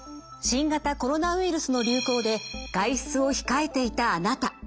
新型コロナウイルスの流行で外出を控えていたあなた。